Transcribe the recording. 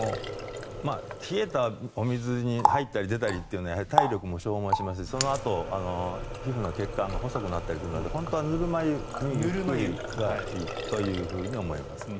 冷えたお水に入ったり出たりというのは体力も消耗しますしそのあと、皮膚の血管が細くなったりするので本当はぬるま湯がいいと思います。